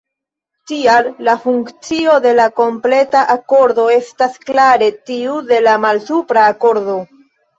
Tial la funkcio de la kompleta akordo estas klare tiu de la malsupra akordo.